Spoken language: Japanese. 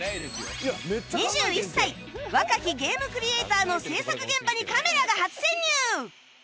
２１歳若きゲームクリエイターの制作現場にカメラが初潜入！